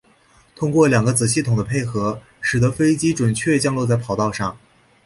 通过两个子系统的配合使得飞机准确降落在跑道上。